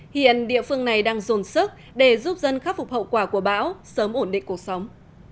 hiện địa phương này đang dồn sức để giúp dân khắc phục hậu quả của bão sớm ổn định cuộc sống